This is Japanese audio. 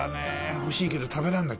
欲しいけど食べらんない。